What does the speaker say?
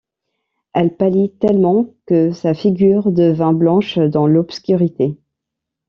Elle pâlit tellement que sa figure devint blanche dans l’obscurité.